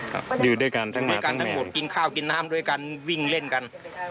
ครับอยู่ด้วยกันทั้งหมาทั้งแมวอยู่ด้วยกันทั้งหมดกินข้าวกินน้ำด้วยกันวิ่งเล่นกัน